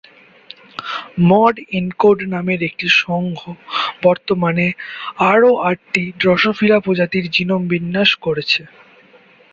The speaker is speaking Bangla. মড-এনকোড নামের একটি সংঘ বর্তমানে আরো আটটি "ড্রসোফিলা" প্রজাতির জিনোম বিন্যাস করছে।